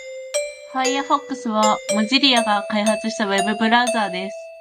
Firefox は Mozilla が開発したウェブブラウザーです。